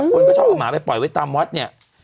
คนก็ชอบเอาหมาไปปล่อยไว้ตามวัดเนี่ย